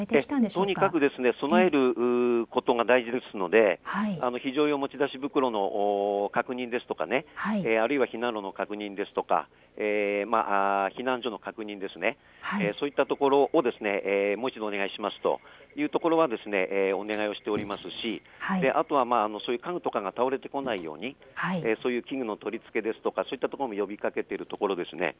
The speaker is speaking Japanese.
とにかく備えることが大事ですので非常用持ち出し袋の確認ですとかあるいは避難路の確認ですとか避難所の確認ですね、そういったところをもう一度お願いしますというところはお願いをしておりますしあとは家具とかが倒れてこないように、そういう器具の取り付けですとかそういったところも呼びかけているところです。